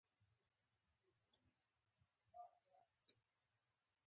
د طالبانو په تقویت کې نقش موثر دی.